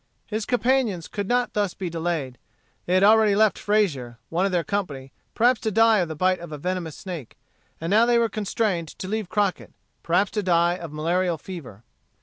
His companions could not thus be delayed. They had already left Frazier, one of their company, perhaps to die of the bite of a venomous snake; and now they were constrained to leave Crockett, perhaps to die of malarial fever.